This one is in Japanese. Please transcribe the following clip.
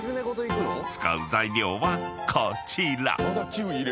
［使う材料はこちら］